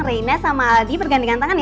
reina sama aldi bergandingan tangan ya